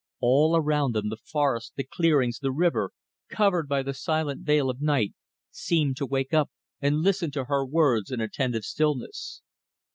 All around them the forests, the clearings, the river, covered by the silent veil of night, seemed to wake up and listen to her words in attentive stillness.